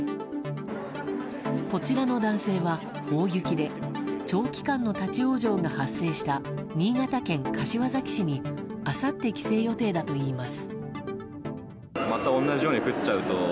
こちらの男性は大雪で長期間の立ち往生が発生した新潟県柏崎市にあさって、帰省予定だといいます。